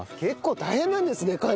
結構大変なんですね